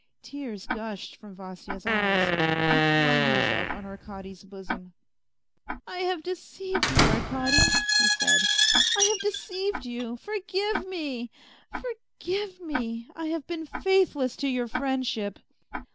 Tears gushed from Vasya's eyes ; he flung himself on Arkady's bosom. " I have deceived you, Arkady," he said. " I have deceived you. Forgive me, forgive me ! I have been faithless to your friendship